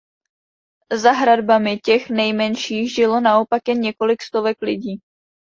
Za hradbami těch nejmenších žilo naopak jen několik stovek lidí.